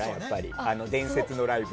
あの伝説のライブ。